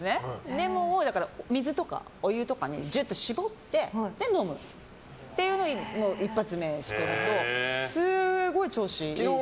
レモンを水とかお湯とかにじゅっと搾って、飲むというのを一発目にしているとすごい、調子いいし。